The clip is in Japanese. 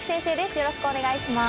よろしくお願いします。